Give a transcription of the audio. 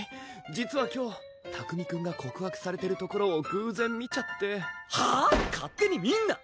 実は今日拓海くんが告白されてるところを偶然見ちゃってはぁ⁉勝手に見んな！